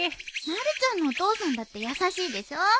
まるちゃんのお父さんだって優しいでしょ。